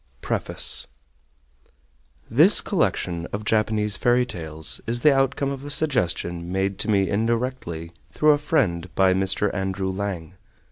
PREFACE This collection of Japanese fairy tales is the outcome of a suggestion made to me indirectly through a friend by Mr. Andrew Lang.